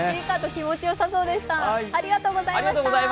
気持ちよさそうでした。